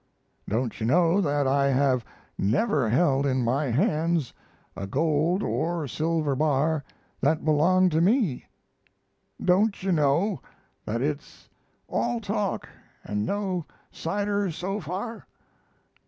Don't you know that I have never held in my hands a gold or silver bar that belonged to me? Don't you know that it's all talk and no cider so far?